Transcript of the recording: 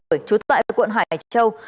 trú tại quận hải châu